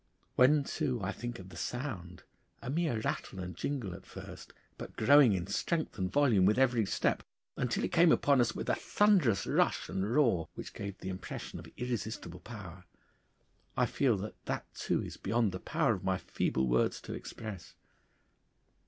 When, too, I think of the sound, a mere rattle and jingle at first, but growing in strength and volume with every step, until it came upon us with a thunderous rush and roar which gave the impression of irresistible power, I feel that that too is beyond the power of my feeble words to express.